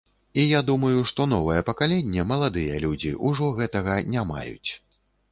І я думаю, што новае пакаленне, маладыя людзі, ужо гэтага не маюць.